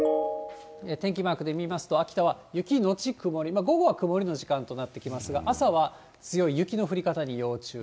天気マークで見ますと、秋田は雪後曇り、午後は曇りの時間となってきますが、朝は強い雪の降り方に要注意。